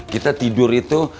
kita tidur itu